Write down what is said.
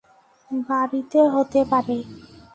বাড়িতে হতে পারে।